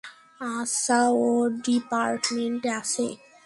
আচ্ছা, ও কোন ডিপার্টমেন্টে আছে?